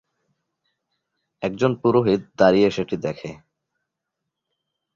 একজন পুরোহিত দাঁড়িয়ে সেটি দেখে।